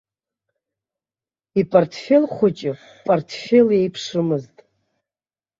Ипартфел хәыҷы партфел еиԥшымызт.